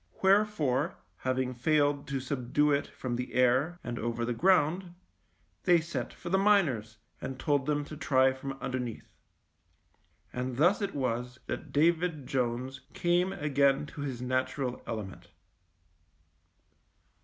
Where fore having failed to subdue it from the air, THE MINE 91 and over the ground, they sent for the miners and told them to try from underneath. And thus it was that David Jones came again to his natural element.